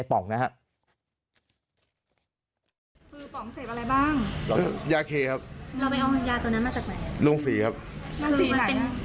มันเป็นธรรมศาลิสใหม่ยาเคนมผงวันนี้ใช่ไหม